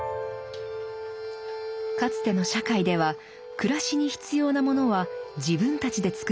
かつての社会では暮らしに必要なものは自分たちで作っていました。